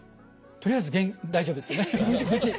とりあえず大丈夫ですよね。